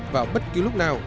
vào bất cứ lúc nào